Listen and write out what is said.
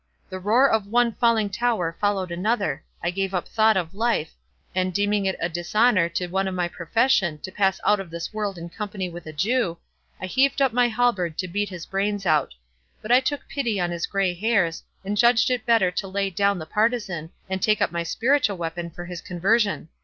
The roar of one falling tower followed another—I gave up thought of life; and deeming it a dishonour to one of my profession to pass out of this world in company with a Jew, I heaved up my halberd to beat his brains out; but I took pity on his grey hairs, and judged it better to lay down the partisan, and take up my spiritual weapon for his conversion.